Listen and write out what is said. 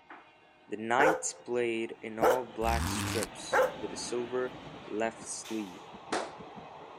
The Knights played in all-black strips, with a silver left sleeve.